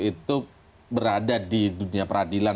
itu berada di dunia peradilan